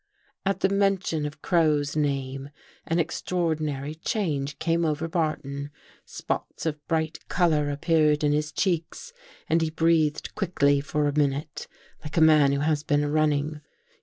At the mention of Crow's name an extraordinary change came over Barton. Spots of bright color appeared In his cheeks and he breathed quickly for a minute, like a man who has been running.